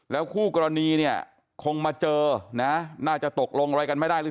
คู่กรณีเนี่ยคงมาเจอนะน่าจะตกลงอะไรกันไม่ได้หรือ